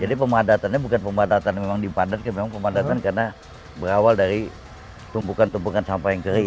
jadi pemadatannya bukan pemadatannya memang dipandat kan memang pemadatannya karena berawal dari tumpukan tumpukan sampah yang kering